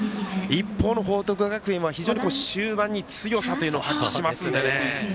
一方の報徳学園は終盤に強さを発揮しますね。